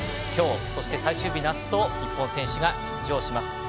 今日、そして最終日のあすと日本選手が出場します。